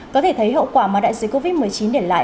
có thể thấy hậu quả mà đại dịch covid một mươi chín để lại